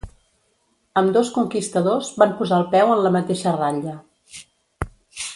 Ambdós conquistadors van posar el peu en la mateixa ratlla.